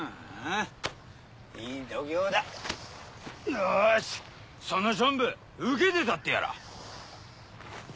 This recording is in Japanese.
よしその勝負受けて立ってやら。